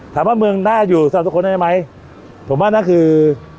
ถามว่าเมืองน่าอยู่สำหรับทุกคนได้ไหมผมว่านั่นคือ